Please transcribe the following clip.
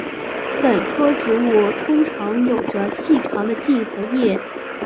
本科植物通常有着细长的茎与叶。